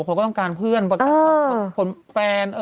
บางคนก็ต้องการเพื่อนบางคนแฟน